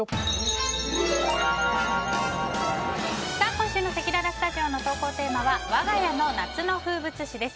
今週のせきららスタジオの投稿テーマはわが家の夏の風物詩です。